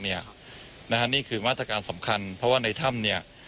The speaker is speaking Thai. นี่คือมาตรการสำคัญเพราะว่าในถ้ำเนี่ย